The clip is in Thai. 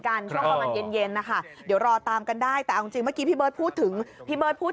กันเดี๋ยวรอตามกันได้แต่เอาจริงพี่เบิร์ดพูดถึงพี่เบิร์ดพูด